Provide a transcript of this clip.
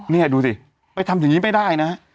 นี่ดูสิไปทำอย่างนี้ไม่ได้นะ